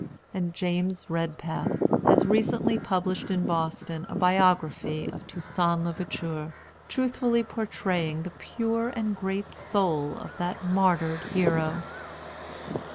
And James Redpath has recently published in Boston a biography of Toussaint l'Ouverture, truthfully portraying the pure and great soul of that martyred hero.